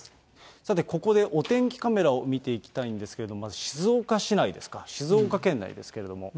さて、ここでお天気カメラを見ていきたいんですけれども、まず静岡市内ですか、静岡県内ですけれども。